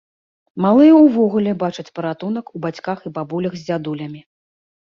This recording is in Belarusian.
Малыя ўвогуле бачаць паратунак у бацьках і бабулях з дзядулямі.